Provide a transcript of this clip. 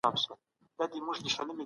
د بشریت ژغورنه په اسلامي نظام کي ده.